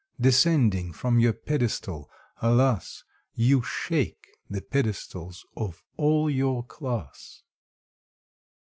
Descending from your pedestal, alas! You shake the pedestals of all your class.